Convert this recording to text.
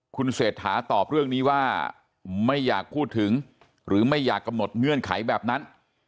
คุณเศรษฐาตอบเรื่องนี้ว่าไม่อยากพูดถึงหรือไม่อยากกำหนดเงื่อนไขแบบนั้น